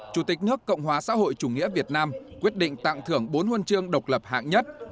chủ tịch nước cộng hòa xã hội chủ nghĩa việt nam quyết định tặng thưởng bốn huân chương độc lập hạng nhất